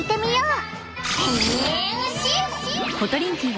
へんしん！